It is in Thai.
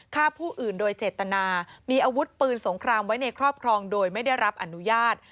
ฆ่าผู้อื่นโดยเจตนามีอาวุธปืนสงครามไว้ในครอบครองโดยไม่ได้รับอนุญาต